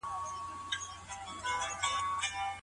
قالبي حکمونه د پرمختګ مخه نیسي.